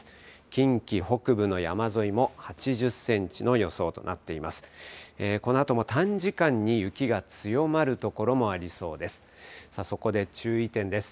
近畿北部の山沿いも８０センチの予想となっています。